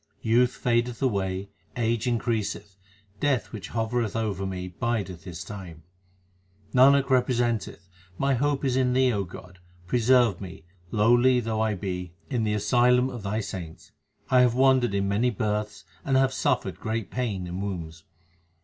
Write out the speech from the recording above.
Youth fadeth away, age increaseth, Death which hovereth over me bideth his time. Nanak representeth, my hope is in Thee, O God ; preserve me, lowly though I be, in the asylum of Thy saints. I have wandered in many births and have suffered great pain in wombs.